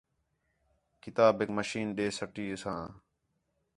کتابیک مشین ݙے سَٹی ساں